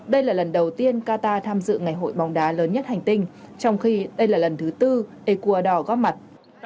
đây là lần đầu tiên qatar tham dự ngày hội bóng đá lớn nhất hành tinh trong khi đây là lần thứ tư ecuador góp mặt